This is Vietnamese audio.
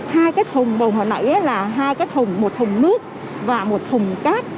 hai cái thùng bầu hồi nãy là hai cái thùng một thùng nước và một thùng cát